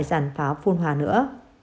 giàn pháo phun hoa nữa